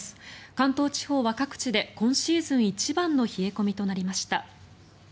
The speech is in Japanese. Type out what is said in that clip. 関東地方は各地で今シーズン一番の冷え込みとなりました。